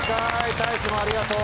たいしもありがとう。